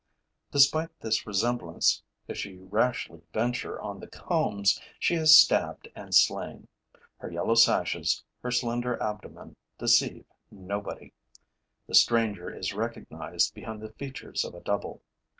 Despite this resemblance, if she rashly venture on the combs, she is stabbed and slain. Her yellow sashes, her slender abdomen deceive nobody. The stranger is recognized behind the features of a double.